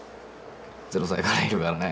０歳からいるからね。